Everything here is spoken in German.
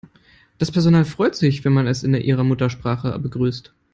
Das Personal freut sich, wenn man es in ihrer Muttersprache begrüßt.